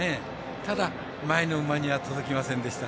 ただ、前の馬には届きませんでした。